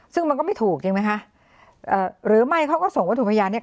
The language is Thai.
ซึ่งมันก็ไม่ถูกจริงไหมคะเอ่อหรือไม่เขาก็ส่งวัตถุพยานเนี้ย